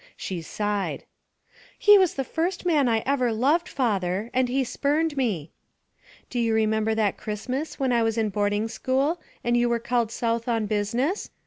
She sighed. 'He was the first man I ever loved, father, and he spurned me. Do you remember that Christmas when I was in boarding school and you were called South on business?